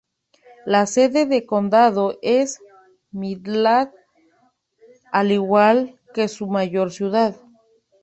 La sede del condado es Midland, al igual que su mayor ciudad.